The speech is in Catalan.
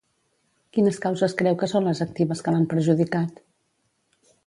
Quines causes creu que són les actives que l'han perjudicat?